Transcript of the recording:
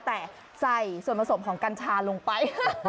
แต่ใส่ส่วนผสมของกัญชาลงไป